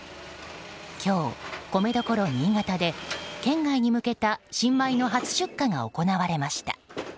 今日、米どころ新潟で県外に向けた新米の初出荷が行われました。